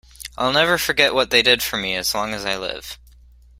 I'll never forget what they did for me, as long as I live.